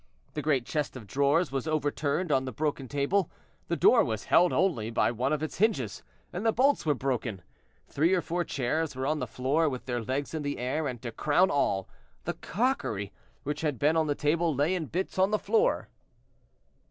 The great chest of drawers was overturned on the broken table; the door was held only by one of its hinges, and the bolts were broken; three or four chairs were on the floor with their legs in the air, and, to crown all, the crockery, which had been on the table, lay in bits on the floor.